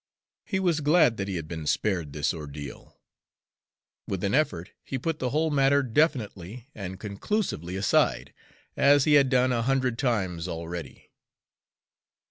He was glad that he had been spared this ordeal. With an effort he put the whole matter definitely and conclusively aside, as he had done a hundred times already.